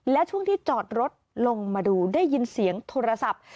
และช่วงที่จอดรถลงมาดูได้ยินเสียงโทรศัพท์